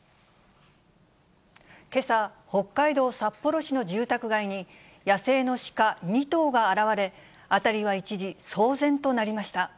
けさ、北海道札幌市の住宅街に、野生のシカ２頭が現れ、辺りは一時、騒然となりました。